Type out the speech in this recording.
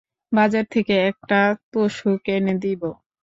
বাজার থেকে একটা তোশক এনে দিব।